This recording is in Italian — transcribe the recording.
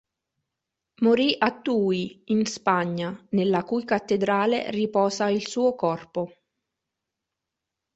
Morì a Tui, in Spagna, nella cui cattedrale riposa il suo corpo.